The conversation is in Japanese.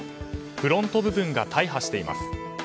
フロント部分が大破しています。